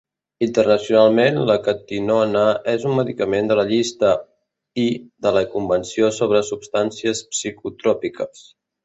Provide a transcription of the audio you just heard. Internacionalment, la catinona és un medicament de la llista I de la Convenció sobre substàncies psicotròpiques.